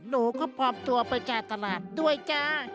หนูก็ปลอมตัวไปจ่ายตลาดด้วยจ้า